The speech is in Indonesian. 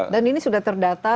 dan ini sudah terdata